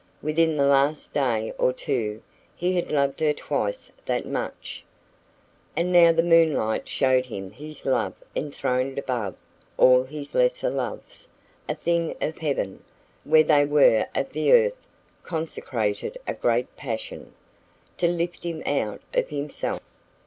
Within the last day or two he had loved her twice that much. And now the moonlight showed him his love enthroned above all his lesser loves a thing of heaven, where they were of the earth consecrated a great passion, to lift him out of himself.